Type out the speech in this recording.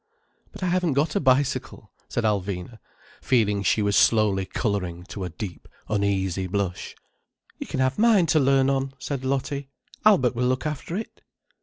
"But I haven't got a bicycle," said Alvina, feeling she was slowly colouring to a deep, uneasy blush. "You can have mine to learn on," said Lottie. "Albert will look after it."